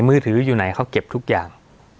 มือถืออยู่ไหนเขาเก็บทุกอย่าง